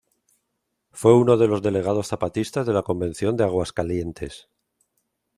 Fue uno de los delegados zapatistas de la Convención de Aguascalientes.